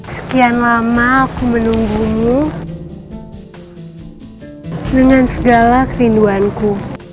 sekian lama aku menunggumu dengan segala kerinduanku